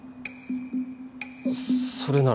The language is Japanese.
それなら。